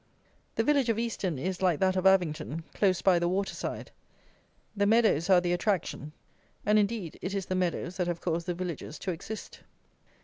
The village of Easton is, like that of Avington, close by the waterside. The meadows are the attraction; and, indeed, it is the meadows that have caused the villages to exist.